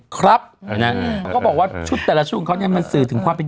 เขาก็บอกว่าชุดแต่ละชุดของเขาเนี่ยมันสื่อถึงความเป็น